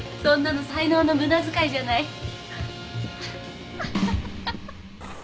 そんなの才能の無駄遣いじゃない。